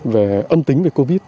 về ân tính về covid